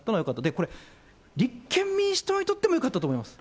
これ、立憲民主党にとってもよかったと思います。